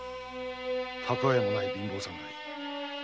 蓄えもない貧乏侍。